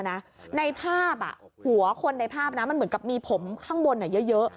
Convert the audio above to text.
ในภาพหัวคนในภาพนะมันเหมือนกับมีผมข้างบนเยอะ